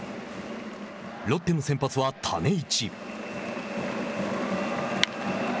ロッテの先発は種市。